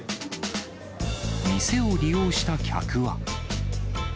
店を利用した客は。